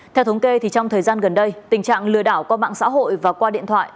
theo thống kê trong thời gian gần đây tình trạng lừa đảo qua mạng xã hội và qua điện thoại